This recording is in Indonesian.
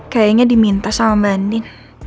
kayaknya diminta sama mbak andi